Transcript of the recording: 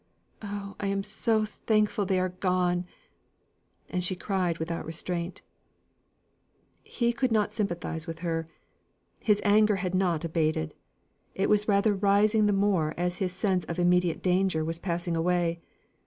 Oh, I am so thankful they are gone!" And she cried without restraint. He could not sympathise with her. His anger had not abated; it was rising the more as his sense of immediate danger was passing away.